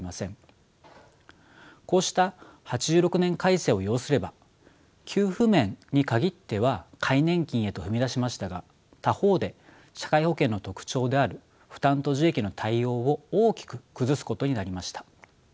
こうした８６年改正を要すれば給付面に限っては皆年金へと踏み出しましたが他方で社会保険の特徴である負担と受益の対応を大きく崩すことになりました。